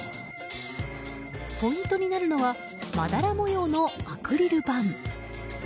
ポイントになるのはまだら模様のアクリル板。